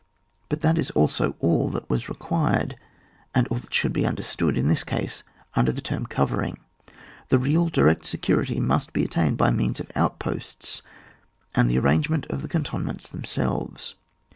But that is also all that was required, and all that should be understood in this case under the term covering. The real direct security must be attained by means of outposts and the arrangement of the cantonments themselves.